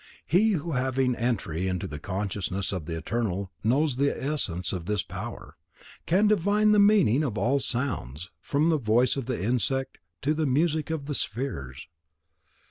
He who, having entry to the consciousness of the Eternal knows the essence of this power, can divine the meanings of all sounds, from the voice of the insect to the music of the spheres.